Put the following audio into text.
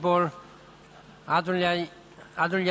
คุณพระเจ้า